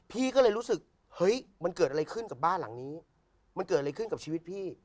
พี่ก็เลยรู้สึกเฮ้ยมันเกิดอะไรขึ้นกับบ้านหลังนี้มันเกิดอะไรขึ้นกับชีวิตพี่